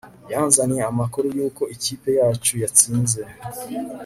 Yanzaniye amakuru yuko ikipe yacu yatsinze